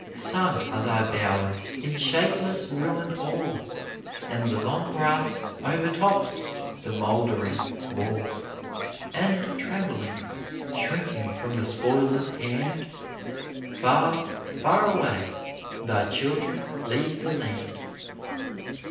Sunk are thy bowers in shapeless ruin all, And the long grass overtops the moldering wall; And, trembling, shrinking from the spoiler's hand, Far, far away, thy children leave the land."